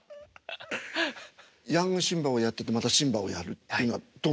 ヤングシンバをやっててまたシンバをやるっていうのはどんな。